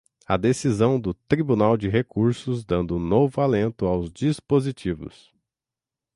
a decisão do Tribunal de Recursos dando novo alento aos dispositivos